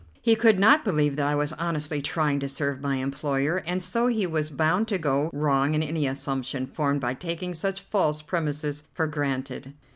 He could not believe that I was honestly trying to serve my employer, and so he was bound to go wrong in any assumption formed by taking such false premises for granted.